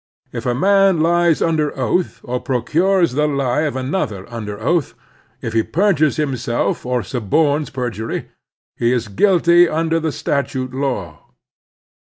If a man lies under oath or proctires the lie of another under oath, if he perjxires himself or suborns per jury, he is guilty under the statute law.